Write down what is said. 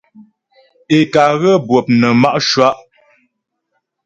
Ě ká ghə́ bwɔp nə má' shwá' é.